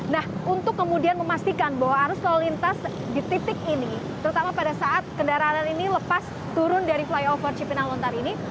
nah untuk kemudian memastikan bahwa arus lalu lintas di titik ini terutama pada saat kendaraan ini lepas turun dari flyover cipinang lontar ini